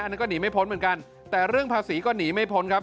อันนี้ก็หนีไม่พ้นเหมือนกันแต่เรื่องภาษีก็หนีไม่พ้นครับ